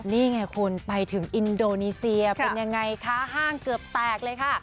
นี่ไงคุณไปถึงอินโดนีเซียเป็นยังไงคะห้างเกือบแตกเลยค่ะ